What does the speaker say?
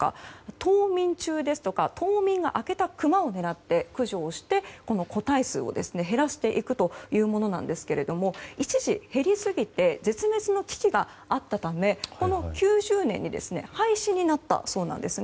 冬眠ですとか冬眠が明けたクマを狙って駆除をして、個体数を減らしていくというもので一時、減りすぎて絶滅の危機があったため９０年に廃止になったそうなんですね。